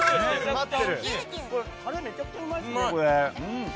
タレがめちゃくちゃうまいですね。